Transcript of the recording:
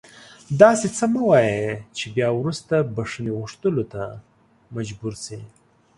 داسې څه مه وایه چې بیا وروسته بښنې غوښتلو ته مجبور شې